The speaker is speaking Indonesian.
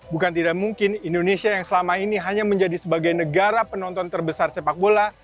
bukan tidak mungkin indonesia yang selama ini hanya menjadi sebagai negara penonton terbesar sepak bola